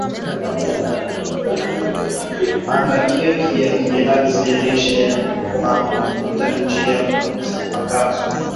Andaa keki ya viazi lishe kwa kufuata njia zifuatazo